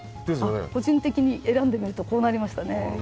個人的に選ぶとこうなりましたね。